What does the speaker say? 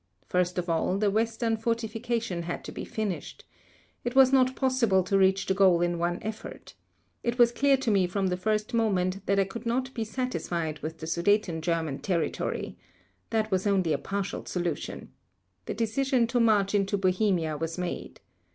First of all, the western fortification had to be finished. It was not possible to reach the goal in one effort. It was clear to me from the first moment that I could not be satisfied with the Sudeten German territory. That was only a partial solution. The decision to march into Bohemia was made.